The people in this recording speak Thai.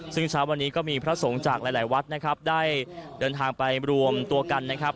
ซึ่งเช้าวันนี้ก็มีพระสงฆ์จากหลายวัดนะครับได้เดินทางไปรวมตัวกันนะครับ